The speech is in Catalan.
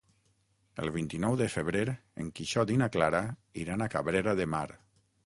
El vint-i-nou de febrer en Quixot i na Clara iran a Cabrera de Mar.